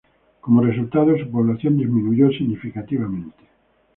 Como resultado, su población disminuyó significativamente.